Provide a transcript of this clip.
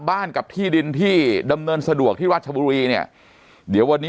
กับที่ดินที่ดำเนินสะดวกที่ราชบุรีเนี่ยเดี๋ยววันนี้